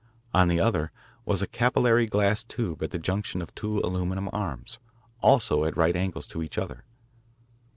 On the other was a capillary glass tube at the junction of two aluminum arms, also at right angles to each other.